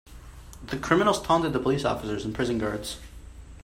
The criminals taunted the police officers and prison guards.